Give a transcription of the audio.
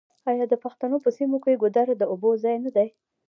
آیا د پښتنو په سیمو کې ګودر د اوبو ځای نه دی؟